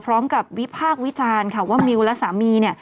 พร้อมกับวิภาควิจารณ์ค่ะว่ามิวและสามี